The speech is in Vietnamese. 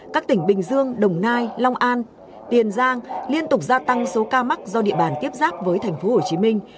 các tỉnh bình dương đồng nai long an tiền giang liên tục gia tăng số ca mắc do địa bàn tiếp giáp với thành phố hồ chí minh